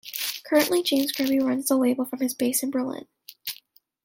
Currently James Kirby runs the label from his base in Berlin.